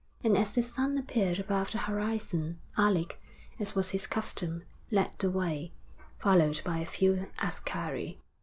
And as the sun appeared above the horizon, Alec, as was his custom, led the way, followed by a few askari.